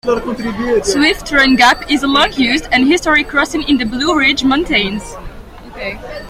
Swift Run Gap is a long-used and historic crossing in the Blue Ridge Mountains.